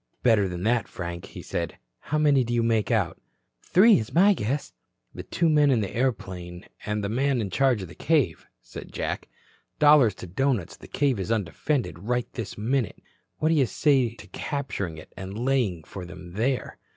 "Better than that, Frank," he said. "How many do you make out?" "Three is my guess." "The two men in the airplane and the man in charge of the cave," said Jack. "Dollars to doughnuts, the cave is undefended right this minute. What do you say to capturing it and laying for them there?"